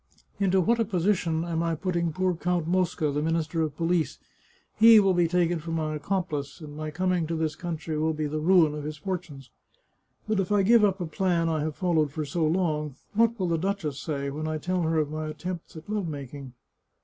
" Into what a position am I putting poor Count Mosca, the Minister of Police? He will be taken for my accomplice, and my coming to this country will be the ruin of his fortunes. But if I give up a plan I have followed for so long, what will the duchess say when I tell her of my attempts at love making?